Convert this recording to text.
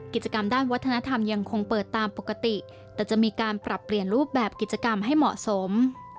กิจกรรมด้านวัฒนธรรมยังคงเปิดตามปกติแต่จะมีการปรับเปลี่ยนรูปแบบกิจกรรมให้เหมาะสม